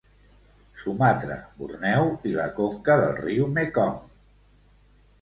Sumatra, Borneo i la conca del riu Mekong.